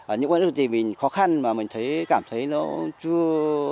ở những quốc tế thì mình khó khăn mà mình thấy cảm thấy nó chưa